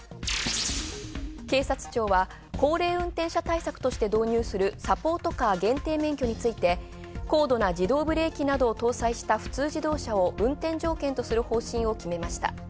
警察庁は高齢運転対策として導入するサポートカー限定免許について、高度の自動ブレーキなどを搭載した普通自動車を運転条件とする方針を決めました。